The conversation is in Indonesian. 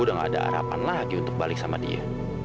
udah gak ada harapan lagi untuk balik sama dia